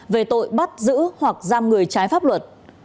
về tội bắt giữ hoặc giam người trái pháp luật